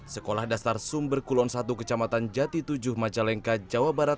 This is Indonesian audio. sekolah dasar sumber kulon satu kecamatan jati tujuh majalengka jawa barat